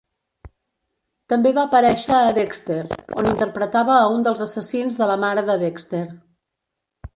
També va aparèixer a "Dexter", on interpretava a un dels assassins de la mare de Dexter.